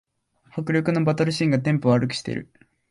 迫力のバトルシーンがテンポ悪くしてる